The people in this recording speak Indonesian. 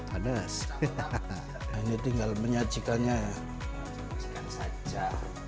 panas hahaha ini tinggal menyajikannya saja